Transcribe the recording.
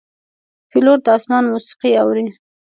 پیلوټ د آسمان موسیقي اوري.